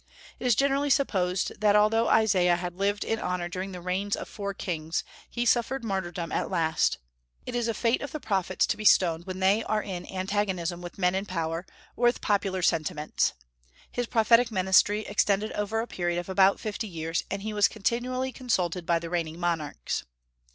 It is generally supposed that although Isaiah had lived in honor during the reigns of four kings, he suffered martyrdom at last. It is the fate of prophets to be stoned when they are in antagonism with men in power, or with popular sentiments. His prophetic ministry extended over a period of about fifty years, and he was continually consulted by the reigning monarchs.